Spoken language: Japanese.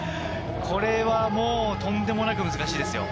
これはもうとんでもなく難しいです。